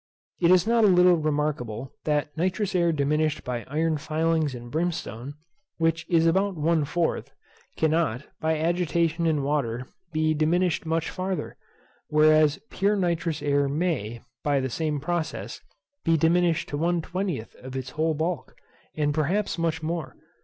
It is not a little remarkable that nitrous air diminished by iron filings and brimstone, which is about one fourth, cannot, by agitation in water, be diminished much farther; whereas pure nitrous air may, by the same process, be diminished to one twentieth of its whole bulk, and perhaps much more.